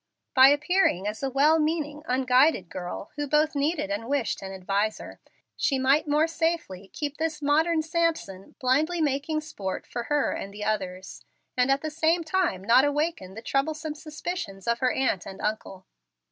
By appearing as a well meaning unguided girl, who both needed and wished an adviser, she might more safely keep this modern Samson blindly making sport for her and the others, and at the same time not awaken the troublesome suspicions of her aunt and uncle.